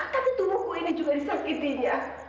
tapi tubuhku ini juga disakitinya